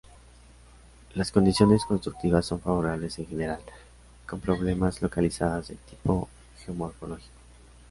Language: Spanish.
Las condiciones constructivas son favorables en general, con problemas localizados de tipo geomorfológico.